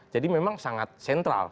jadi memang sangat sentral